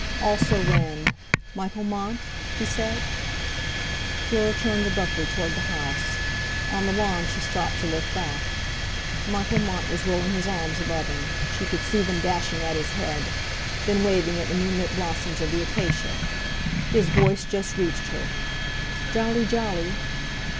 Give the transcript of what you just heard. "Also ran: 'Michael Mont'." he said. Fleur turned abruptly toward the house. On the lawn she stopped to look back. Michael Mont was whirling his arms above him; she could see them dashing at his head; then waving at the moonlit blossoms of the acacia. His voice just reached her. "Jolly jolly!"